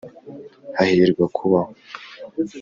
hahirwa kubaho.